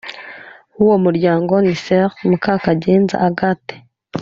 W uwo muryango ni soeur mukakagenza agathe